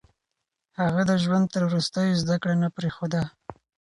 هغه د ژوند تر وروستيو زده کړه نه پرېښوده.